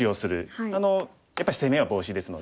やっぱり「攻めはボウシ」ですので。